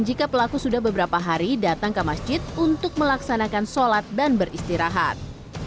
jika pelaku sudah beberapa hari datang ke masjid untuk melaksanakan sholat dan beristirahat